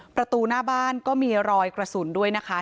ประตูหน้าบ้านก็มีรอยกระสุนด้วยนะคะ